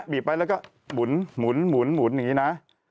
บีบไปแล้วก็หมุนอย่างนี้นะ